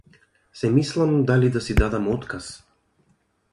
Се мислам дали да си дадам отказ.